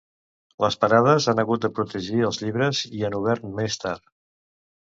Les parades han hagut de protegir els llibres i han obert més tard.